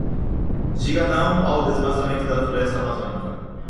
Diga não ao desmatamento da floresta amazônica